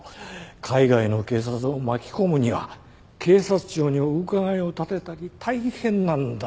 海外の警察を巻き込むには警察庁にお伺いを立てたり大変なんだよ。